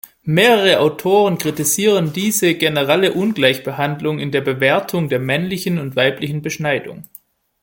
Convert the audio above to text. Mehrere Autoren kritisieren diese generelle Ungleichbehandlung in der Bewertung der männlichen und weiblichen Beschneidung.